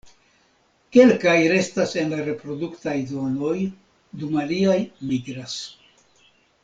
Kelkaj restas en la reproduktaj zonoj, dum aliaj migras.